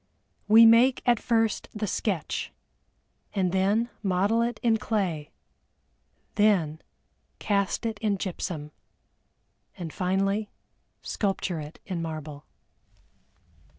We make at first the sketch, then model it in clay, then cast it in gypsum, and finally sculpture it in marble.